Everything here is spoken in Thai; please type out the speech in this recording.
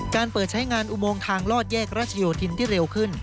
การเปิดใช้งานอุโมงทางลอดแยกรัชโยธินที่เร็วขึ้น